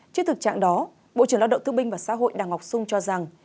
trước thực trạng đó bộ trưởng lao động thương binh và xã hội đảng ngọc xuân cho rằng